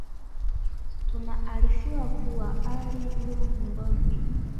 Tunaarifiwa kuwa Ali yu n’gonjwa